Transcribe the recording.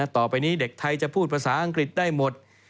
ต่อไปนี้เด็กไทยจะพูดภาษาอังกฤษได้หมด